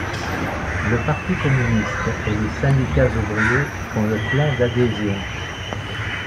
Le parti communiste et les syndicats ouvriers font le plein d'adhésions.